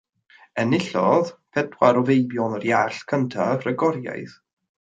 Enillodd pedwar o feibion yr iarll cyntaf ragoriaeth.